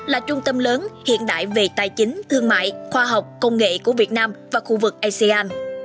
là trung tâm lớn hiện đại về tài chính thương mại khoa học công nghệ của việt nam và khu vực asean